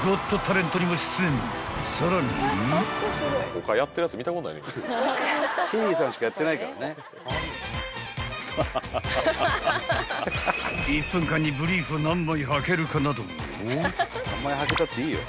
［さらに］［１分間にブリーフ何枚はけるかなど］